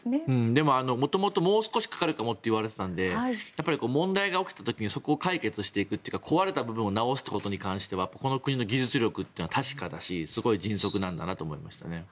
でも元々もう少しかかるかもって言われていたのでやっぱり問題が起きた時にそこを解決していくというか壊れた部分を直すということに関してはこの国の技術は確かだしすごい迅速なんだなと思いましたね。